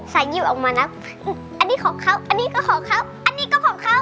หยิบออกมานะอันนี้ของเขาอันนี้ก็ของเขาอันนี้ก็ของเขา